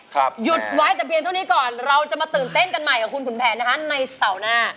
หยุดไว้แต่เพียงเท่านี้ก่อนเราจะมาตื่นเต้นกันใหม่กับคุณขุนแผนนะคะในเสาร์หน้า